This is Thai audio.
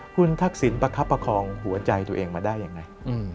คุณทักษิณประคับประคองหัวใจตัวเองมาได้ยังไง